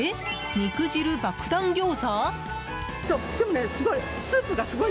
肉汁爆弾餃子？